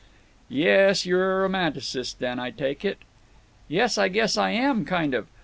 "Yes…. You're a romanticist, then, I take it?" "Yes, I guess I am. Kind of.